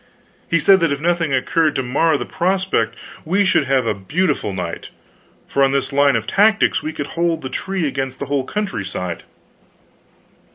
He said that if nothing occurred to mar the prospect we should have a beautiful night, for on this line of tactics we could hold the tree against the whole country side.